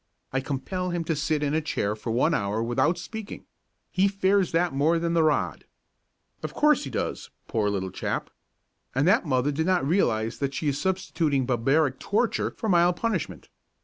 I compel him to sit in a chair for one hour without speaking. He fears that more than the rod." Of course, he does, poor little chap! And that mother did not realise that she was substituting a barbaric torture for mild punishment.